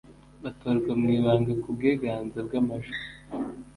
batorwa mu ibanga ku bwiganze bw amajwi